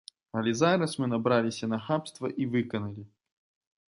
Але зараз мы набраліся нахабства і выканалі.